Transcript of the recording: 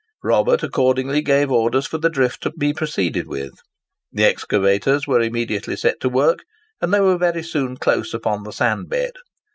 Robert accordingly gave orders for the drift to be proceeded with. The excavators were immediately set to work; and they were very soon close upon the sand bed.